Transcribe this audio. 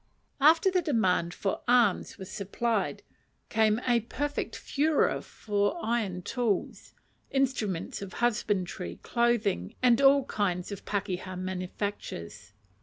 After the demand for arms was supplied, came a perfect furor for iron tools, instruments of husbandry, clothing, and all kinds of pakeha manufactures.